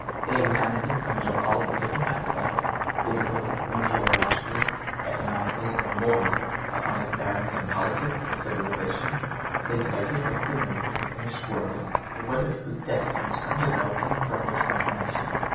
They examined it under all its different aspects, physical, meteorological, economical, or moral, up to its bearings on politics or civilization. They debated whether the moon was a finished world, or whether it was destined to undergo any further transformation.